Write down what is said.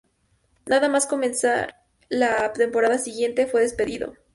Nada más comenzar la temporada siguiente, fue despedido.